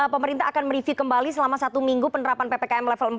pemerintah akan mereview kembali selama satu minggu penerapan ppkm level empat